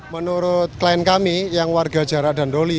menurut klien kami yang warga jarak dan doli